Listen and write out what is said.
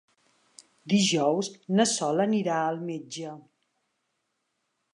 Dijous na Sol anirà al metge.